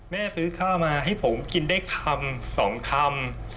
ซื้อข้าวมาให้ผมกินได้คำ๒คำ